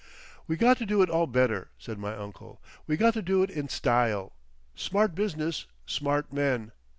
"We got to do it all better," said my uncle, "we got to do it in Style. Smart business, smart men.